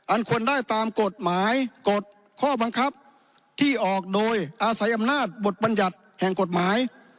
อันควรได้ตามกฎหมายกฎข้อบังคับที่ออกโดยอาศัยอำนาจบทบัญญัติแห่งกฎหมาย